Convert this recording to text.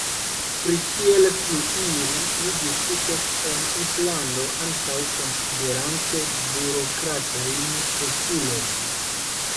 Pri kiel pluiri, ni diskutos en Islando, ankaŭ konsiderante burokratajn postulojn.